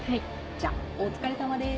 じゃお疲れさまです。